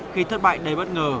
khi thất bại đầy bất ngờ